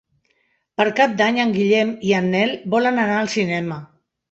Per Cap d'Any en Guillem i en Nel volen anar al cinema.